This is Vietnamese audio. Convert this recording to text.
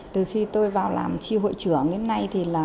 từ khi tôi vào làm tri hội trưởng đến nay